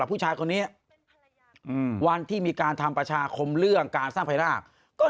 สรุปแล้วทั้งหมดทั้งมัวก็คือเขาก็